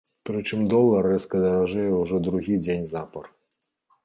Прычым долар рэзка даражэе ўжо другі дзень запар.